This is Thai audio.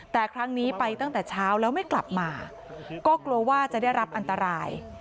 แต่ครั้งนี้ไปตั้งแต่เช้าแล้วไม่กลับมาก็กลัวว่าจะได้รับอันตราย